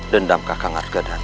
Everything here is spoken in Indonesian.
dendam kakak ngadgedana